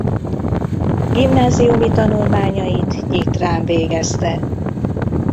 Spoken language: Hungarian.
Gimnáziumi tanulmányait Nyitrán végezte.